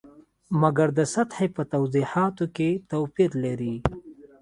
مګر د سطحې په توضیحاتو کې توپیر لري.